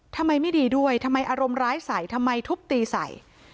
ทำไมไม่ดีด้วยทำไมอารมณ์ร้ายใส่ทำไมทุบตีใส่